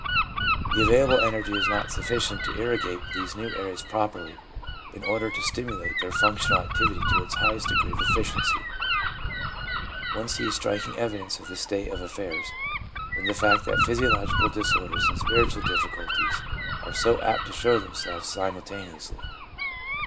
The available energy is not sufficient to irrigate these new areas properly in order to stimulate their functional activity to its highest degree of effici ency. One sees striking evidence of this state of affairs in the fact that physiological disorders and spiritual difficulties are so apt to show themselves simultane ously.